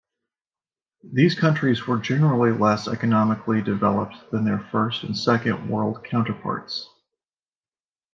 These countries were generally less economically developed than their First- and Second-World counterparts.